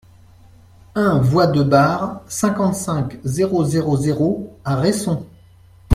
un voie de Bar, cinquante-cinq, zéro zéro zéro à Resson